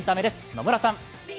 野村さん。